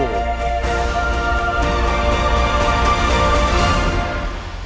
โปรดติดตามรายงานพิธีบรมราชาพิธีบรมราชาพิธี